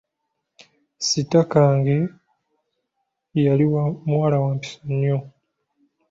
Sitakange yali muwala wa mpisa nnyo.